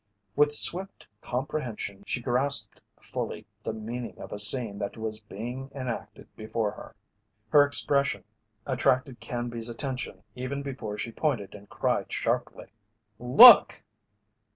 With swift comprehension she grasped fully the meaning of a scene that was being enacted before her. Her expression attracted Canby's attention even before she pointed and cried sharply: "Look!"